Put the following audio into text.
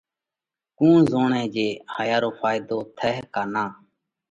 ڪُوڻ زوڻئه جي هايا رو ڦائيڌو ٿئه ڪا نان؟